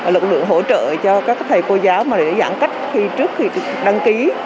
lực lượng hỗ trợ cho các thầy cô giáo mà để giãn cách trước khi đăng ký